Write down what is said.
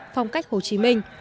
phong cách hồ chí minh